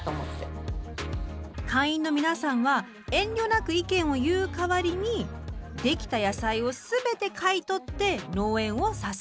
スタジオ会員の皆さんは遠慮なく意見を言うかわりにできた野菜をすべて買い取って農園を支える。